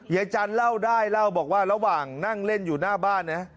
ยายจันทร์เล่าได้เล่าบอกว่าระหว่างนั่งเล่นอยู่หน้าบ้านนะ